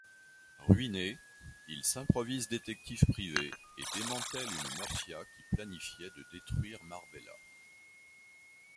Ruiné, il s'improvise détective privé et démantèle une mafia qui planifiait de détruire Marbella.